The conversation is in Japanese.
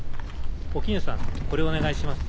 お絹さんこれをお願いします。